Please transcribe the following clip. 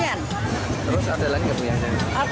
terus ada lagi apa yang ada